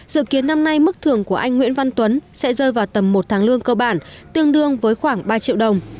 dự kiến năm nay mức thưởng của anh nguyễn văn tuấn sẽ rơi vào tầm một tháng lương cơ bản tương đương với khoảng ba triệu đồng